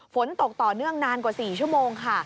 ฝนตกต่อเนื่องนานกว่า๔ชั่วโมงค่ะ